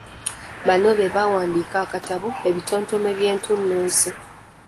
Bano be baawandiika akatabo “Ebitontome eby’entunnunsi".